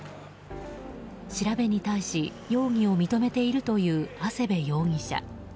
調べに対し容疑を認めているというハセベ容疑者。